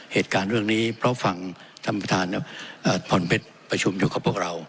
เหตุการณ์เรื่องนี้เพราะฟังท่านประธานพรเพชรประชุมอยู่กับพวกเรา